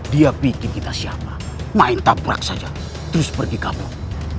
dia bikin kita siapa main tabrak saja terus pergi kapal